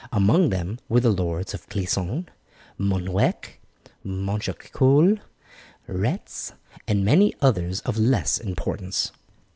Among them were the lords of Clisson, Moheac, Machecoul, Retz, and many others of less importance.